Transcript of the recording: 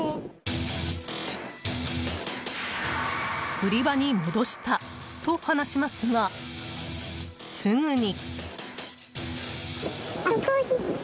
売り場に戻したと話しますがすぐに。